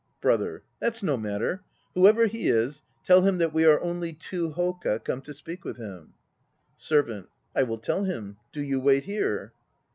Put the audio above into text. BROTHER. That's no matter. Whoever he is, tell him that we are only two hoka come to speak with him. SERVANT. I will tell him. Do you wait here.